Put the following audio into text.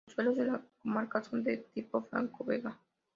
Los suelos de la comarca son del tipo franco-vega.